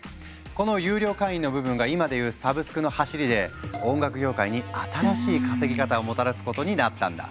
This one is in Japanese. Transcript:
この有料会員の部分が今で言うサブスクのはしりで音楽業界に新しい稼ぎ方をもたらすことになったんだ。